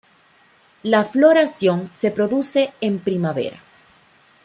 La floración se produce en primavera.